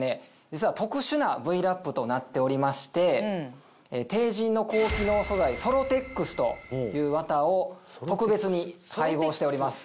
実は特殊なＶ−ＬａｐとなっておりましてＴＥＩＪＩＮの高機能素材ソロテックスというわたを特別に配合しております。